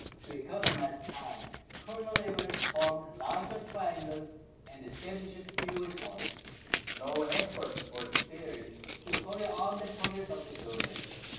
To economize time, Colonel Everest formed larger triangles and established fewer posts. No efforts were spared to hurry on the progress of the survey.